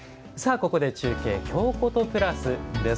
ここで中継「京コトプラス」です。